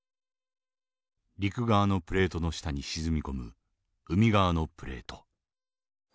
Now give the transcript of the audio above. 陸側のプレートの下に沈み込む海側のプレート。